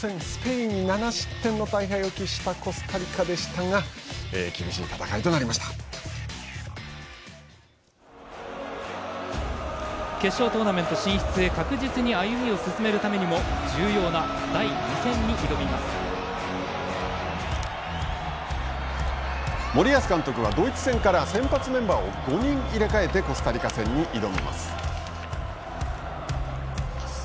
第２戦の相手は初戦スペインに７失点の大敗を喫したコスタリカでしたが決勝トーナメント進出へ確実に歩みを進めるためにも重要な森保監督はドイツ戦から先発メンバーを５人、入れ替えてコスタリカ戦に挑みます。